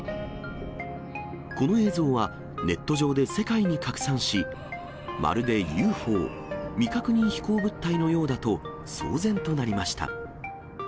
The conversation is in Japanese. この映像はネット上で世界に拡散し、まるでＵＦＯ・未確認飛行物体のようだと騒然となりました。